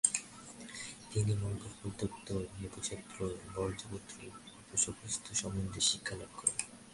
তিনি মার্গফল তত্ত্ব, হেবজ্রতন্ত্র, বজ্রপঞ্জর ও সম্পুত সম্বন্ধে শিক্ষা লাভ করেন।